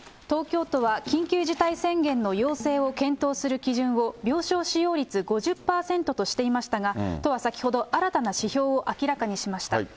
東京都は緊急事態宣言の要請を検討する基準を、病床使用率５０％としていましたが、都は先ほど、新たな指標を明らかにしました。